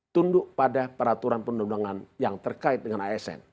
tunduk pada peraturan penundangan yang terkait dengan asn